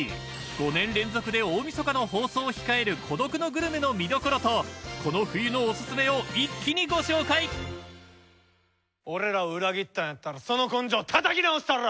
５年連続で大みそかの放送を控える『孤独のグルメ』の見どころとこの冬のオススメを一気にご紹介俺らを裏切ったんやったらその根性叩き直したる！